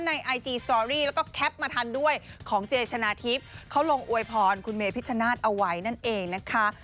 ไอจีสตอรี่แล้วก็แคปมาทันด้วยของเจชนะทิพย์เขาลงอวยพรคุณเมพิชชนาธิ์เอาไว้นั่นเองนะคะ